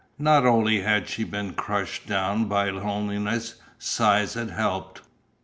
Not only had she been crushed down by loneliness; size had helped.